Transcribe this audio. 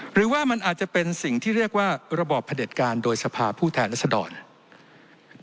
หรือว่ามันอาจจะเป็นสิ่งที่เรียกว่าระบอบพระเด็จการโดยสภาพผู้แทนรัศดร